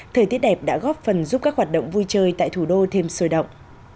thời tiết đẹp đã góp phần giúp các hoạt động vui chơi tại thủ đô thêm sôi động